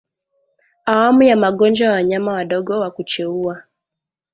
Awamu ya Magonjwa ya wanyama wadogo wa kucheua